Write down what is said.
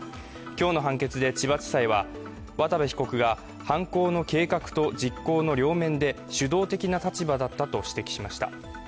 今日の判決で千葉地裁は、渡部被告が犯行の計画と実行の両面で主導的な立場だったと指摘しました。